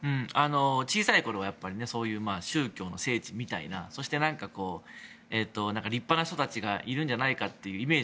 小さいころは宗教の聖地みたいなそして、立派な人たちがいるんじゃないかというイメージ